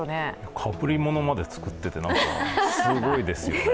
かぶりものまで作っててすごいですよね。